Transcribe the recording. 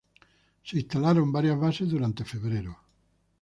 Se instalaron varias bases durante febrero.